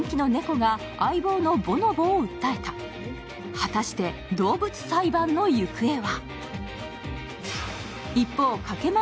果たして動物裁判の行方は？